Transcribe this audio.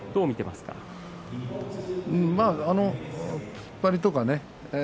まあ突っ張りとかね